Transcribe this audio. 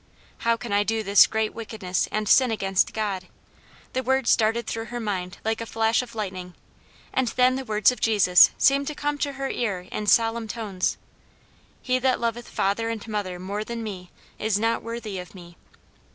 "How can I do this great wickedness and sin against God?" The words darted through her mind like a flash of lightning, and then the words of Jesus seemed to come to her ear in solemn tones: "He that loveth father and mother more than me, is not worthy of me!"